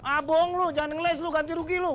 ah bohong lu jangan ngeles lu ganti rugi lu